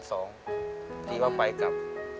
ก็ดีว่าไปกลับ